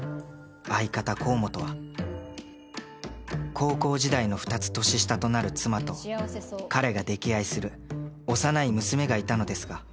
［高校時代の２つ年下となる妻と彼が溺愛する幼い娘がいたのですが］